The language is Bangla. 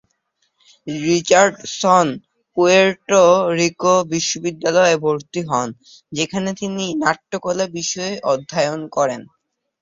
রিচার্ডসন পুয়ের্টো রিকো বিশ্ববিদ্যালয়ে ভর্তি হন, যেখানে তিনি নাট্যকলা বিষয়ে অধ্যয়ন করেন।